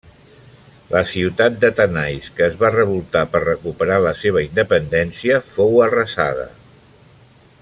La ciutat de Tanais que es va revoltar per recuperar la seva independència, fou arrasada.